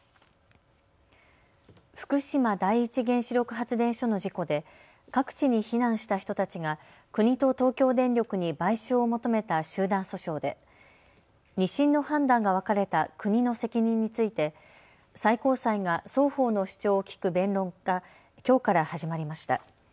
福島第一原子力発電所の事故で各地に避難した人たちが国と東京電力に賠償を求めた集団訴訟で２審の判断が分かれた国の責任について最高裁が双方の主張を聞く弁論がきょうから始まりました。